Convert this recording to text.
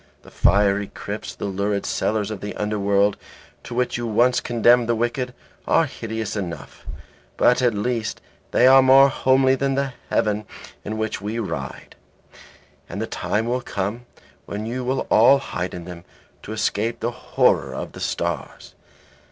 The fiery crypts, the lurid cellars of the underworld, to which you once condemned the wicked, are hideous enough, but at least they are more homely than the heaven in which we ride. And the time will come when you will all hide in them, to escape the horror of the stars."